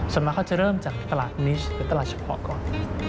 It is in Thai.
ส่วนมากเขาจะเริ่มจากตลาดนิสหรือตลาดเฉพาะก่อน